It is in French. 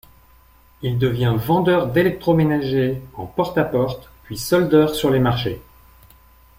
Il devient vendeur d’électroménager en porte à porte puis soldeur sur les marchés.